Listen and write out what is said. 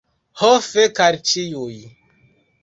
Ho fek al ĉiuj.